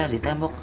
ya di tembok